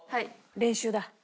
練習だ。